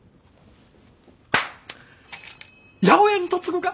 八百屋に嫁ぐか？